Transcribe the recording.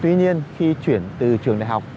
tuy nhiên khi chuyển từ trường đại học